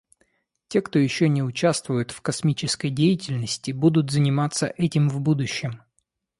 Те, кто еще не участвует в космической деятельности, будут заниматься этим в будущем.